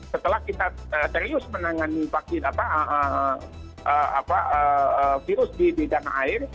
setelah kita serius menangani virus di tanah air